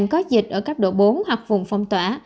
các hành khách có dịch ở cấp độ bốn hoặc vùng phong tỏa